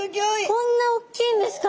こんな大きいんですか。